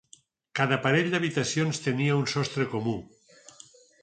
Cada parell d'habitacions tenia un sostre comú.